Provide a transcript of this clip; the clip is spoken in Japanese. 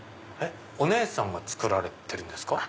お姉さんが作られてるんですか？